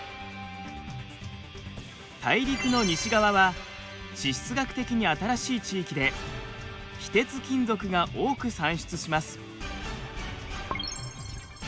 大陸の西側は地質学的に新しい地域で非鉄金属が多く産出します。